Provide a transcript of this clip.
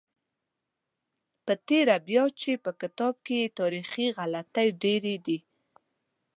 په تېره بیا چې په کتاب کې تاریخي غلطۍ ډېرې دي.